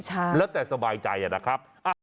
ใช่แล้วแต่สบายใจนะครับ